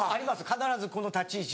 必ずこの立ち位置。